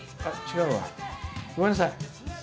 ごめんなさい。